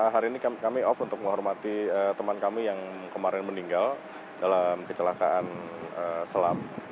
hari ini kami off untuk menghormati teman kami yang kemarin meninggal dalam kecelakaan selam